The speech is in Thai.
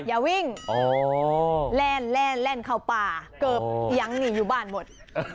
อย่าวิ่งแล่นเข้าป่าเกือบยังหนีอยู่บ้านหมด